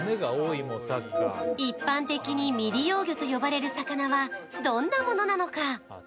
一般的に未利用魚と呼ばれる魚はどんなものなのか。